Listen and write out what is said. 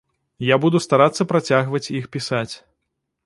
Я буду старацца працягваць іх пісаць.